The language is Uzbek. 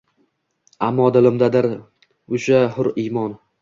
Ammo dilimdadir usha hur iymon